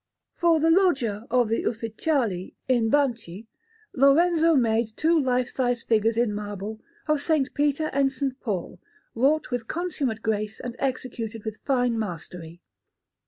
For the Loggia of the Ufficiali in Banchi Lorenzo made two life size figures in marble of S. Peter and S. Paul, wrought with consummate grace and executed with fine mastery.